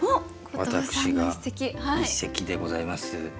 私が一席でございます。